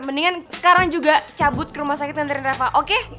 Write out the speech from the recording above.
mendingan sekarang juga cabut ke rumah sakit ngantri nerava oke